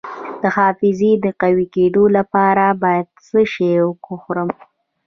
د حافظې د قوي کیدو لپاره باید څه شی وخورم؟